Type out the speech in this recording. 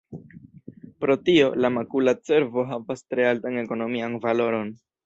Pro tio, la makula cervo havas tre altan ekonomian valoron.